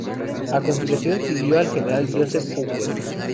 A continuación, siguió al General Joseph Hooker.